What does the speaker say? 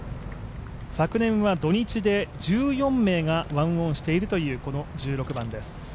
昨年は土日で１４名が１オンしているというこの１６番です。